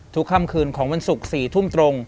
ค่ำคืนของวันศุกร์๔ทุ่มตรง